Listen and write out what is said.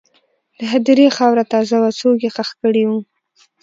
د هدیرې خاوره تازه وه، څوک یې ښخ کړي وو.